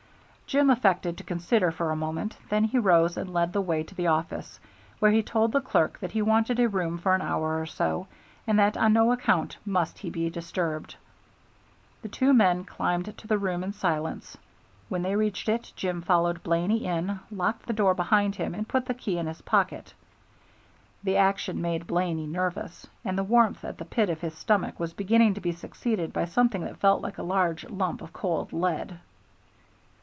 Jim affected to consider for a moment; then he rose and led the way to the office, where he told the clerk that he wanted a room for an hour or so, and that on no account must he be disturbed. The two men climbed to the room in silence. When they reached it, Jim followed Blaney in, locked the door behind him, and put the key in his pocket. The action made Blaney nervous, and the warmth at the pit of his stomach was beginning to be succeeded by something that felt like a large lump of cold lead.